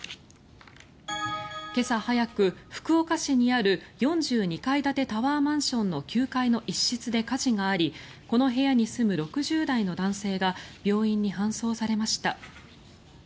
今朝早く、福岡市にある４２階建てタワーマンションの９階の一室で火事がありこの部屋に住む６０代の男性が病院に搬送されました。